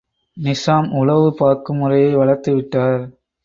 நிசாம் உளவு பார்க்கும் முறையை வளர்த்துவிட்டார்.